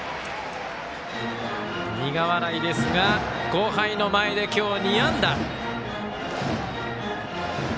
苦笑いですが、後輩の前で今日、２安打。